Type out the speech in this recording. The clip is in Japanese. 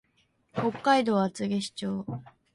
北海道厚岸町